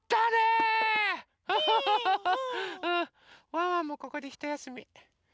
ワンワンもここでひとやすみ。